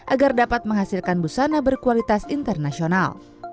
agar dapat menghasilkan busana berkualitas internasional